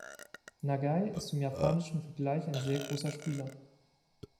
Nagai ist im japanischen Vergleich ein sehr großer Spieler.